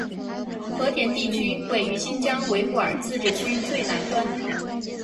和田地区位于新疆维吾尔自治区最南端。